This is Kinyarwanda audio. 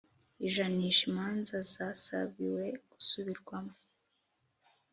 ijanisha imanza zasabiwe gusubirwamo